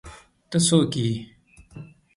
ته څوک ئې؟